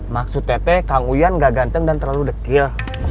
maksud tete kang uyan gak ganteng dan terlalu dekil